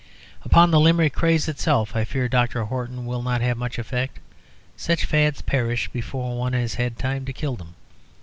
Upon the Limerick craze itself, I fear Dr. Horton will not have much effect; such fads perish before one has had time to kill them.